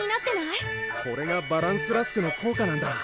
これがバランスラスクの効果なんだ。